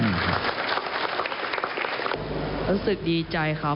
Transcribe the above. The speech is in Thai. รู้สึกดีใจครับ